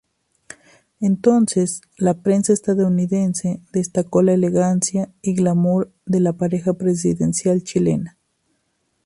Entonces, la prensa estadounidense destacó la elegancia y "glamour" de la pareja presidencial chilena.